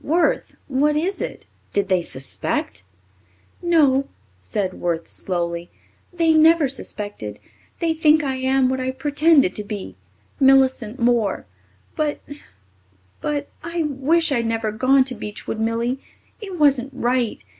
"Worth, what is it? Did they suspect?" "No," said Worth slowly. "They never suspected. They think I am what I pretended to be Millicent Moore. But, but, I wish I'd never gone to Beechwood, Millie. It wasn't right.